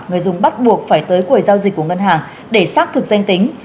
người dùng bắt buộc phải tới quầy giao dịch của ngân hàng để xác thực danh tính